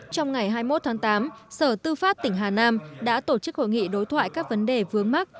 trong ngày hai mươi một tháng tám sở tư pháp tỉnh hà nam đã tổ chức hội nghị đối thoại các vấn đề vướng mắt